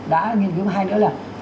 đã nghiên cứu hay nữa là